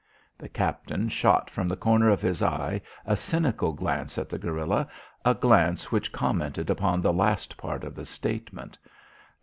The captain shot from the corner of his eye a cynical glance at the guerilla, a glance which commented upon the last part of the statement.